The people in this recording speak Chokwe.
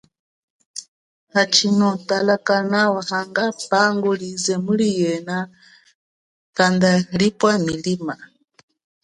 Hachino tala kanawa hanga pangu lize lili muli yena kanda lipwa milima.